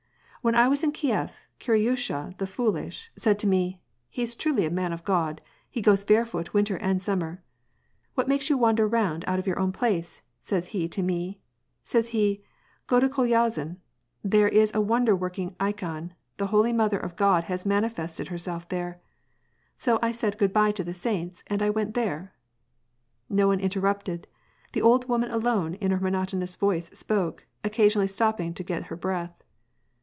When I was in Kief, Kiriyusha the Foolish said to me, — he's truly a man of God, he goes barefoot winter and sommer, —* What makes you wander round out of your own place,' says he to me, says he, * go to Kolyazin, there is a won der working ikon ; the Holy Mother of God has manifested herself there.' So I said good by to the saints, and I went there." No one interrupted, the old woman alone in her monotonous voice spoke, occasionally stopping to get her breath.